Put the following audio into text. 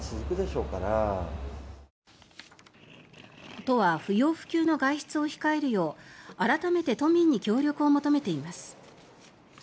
都は不要不急の外出を控えるよう改めて都民に協力を求めています。